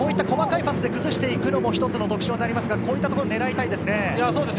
細かいパスで崩していくのも特徴になりますが、こういうところ狙いたいですね。